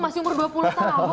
masih umur dua puluh tahun